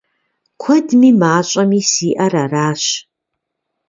Куэдми мащӏэми сиӏэр аращ.